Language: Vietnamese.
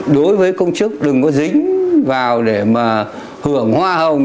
đối với công chức đừng có dính vào để mà hưởng hoa hồng